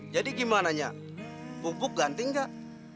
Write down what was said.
jadi gimana nyonya pupuk ganti nggak